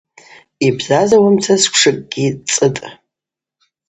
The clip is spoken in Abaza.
Йбзазауамца сквшыкӏгьи цӏытӏ.